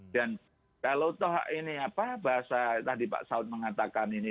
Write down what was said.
dan kalau toh ini apa bahasa tadi pak saud mengatakan ini